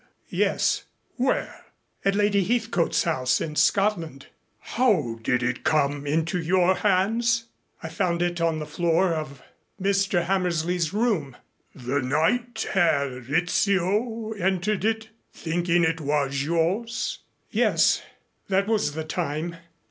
"Yes." "Where?" "At Lady Heathcote's house in Scotland." "How did it come into your hands?" "I found it on the floor of Mr. Hammersley's room." "The night Herr Rizzio entered it, thinking it was yours?" "Yes. That was the time."